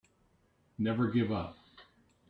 Never give up.